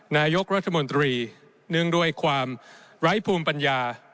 นายกรัฐมนตรีเนื่องด้วยความไร้ภูมิปัญญา